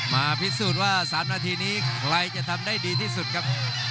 มาพิสูจน์ว่า๓นาทีนี้ใครจะทำได้ดีที่สุดครับ